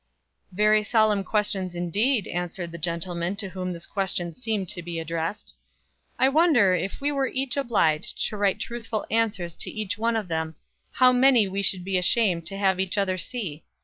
"Very solemn questions, indeed," answered the gentleman to whom this question seemed to be addressed. "I wonder, if we were each obliged to write truthful answers to each one of them, how many we should be ashamed to have each other see?"